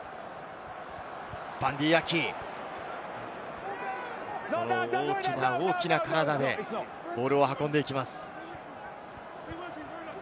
バンディー・アキ、大きな大きな体でボールを運んでいきます。